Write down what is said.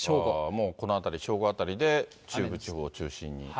もうこのあたり、正午あたりで、中部地方を中心に。